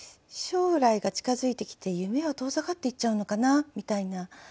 将来が近づいてきて夢は遠ざかっていっちゃうのかなみたいな